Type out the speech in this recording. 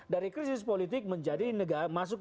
dari krisis politik menjadi negara masuk